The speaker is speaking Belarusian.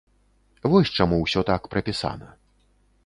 Вось чаму ўсё так прапісана.